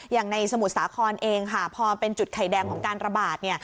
อย่างในสมุทรสาครเองค่ะพอเป็นจุดไข่แดงของการระบาด